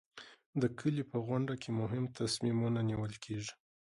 د کلي په غونډه کې مهم تصمیمونه نیول کېږي.